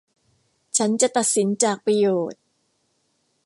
ฉันจะตัดสินจากประโยชน์